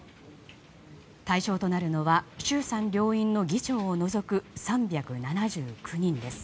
対象となるのは衆参両院の議長を除く３７９人です。